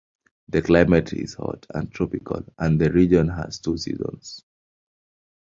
The climate is hot and tropical and the region has two seasons.